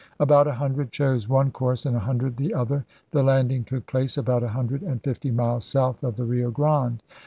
About a hundred chose one course and a hundred the other. The landing took place about a hundred and fifty miles south of the Rio Grande.